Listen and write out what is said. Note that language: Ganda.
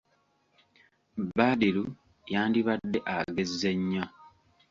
Badru, yandibadde agezze nnyo.